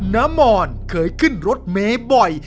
น้ำมอนเคยขึ้นรถเมย์บ่อย